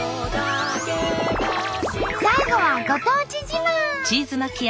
最後はご当地自慢。